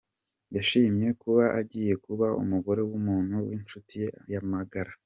Yishimiye kuba agiye kuba umugore w'umuntu w'inshuti ye magara.